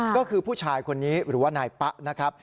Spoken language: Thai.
ก็คือผู้ชายคนนี้หรือว่านายป๊ะนะครับ